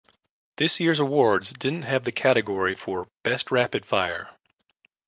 This year's awards didn't have the category for 'Best Rapid-Fire'.